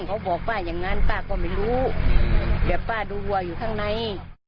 เขาบอกป้าอย่างนั้นป้าก็ไม่รู้แต่ป้าดูว่าอยู่ข้างใน